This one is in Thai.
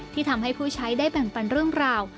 ทำให้ผู้ใช้ได้แบ่งปันเรื่องราว